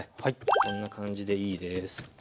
こんな感じでいいです。